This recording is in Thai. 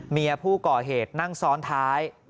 เมียผู้ก่อเหตุนั่งซ้อนท้าย